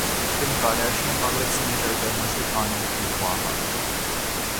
کم Kardashian مغرب سے نکل کر مشرق انے کی خواہاں